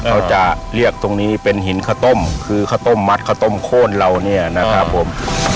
เขาจะเรียกตรงนี้เป็นหินข้าวต้มคือข้าวต้มมัดข้าวต้มโค้นเราเนี่ยนะครับผม